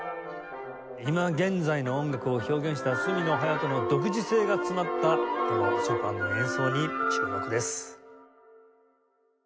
今現在の音楽を表現した角野隼斗の独自性が詰まったこのショパンの演奏に注目です。